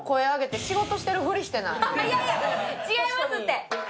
いやいや、違いますって。